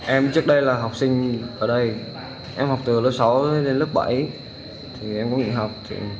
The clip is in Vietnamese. em trước đây là học sinh ở đây em học từ lớp sáu lên lớp bảy thì em cũng nghỉ học